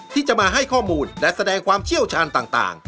ที่จะมาให้ข้อมูลและแสดงความเชี่ยวชาญต่าง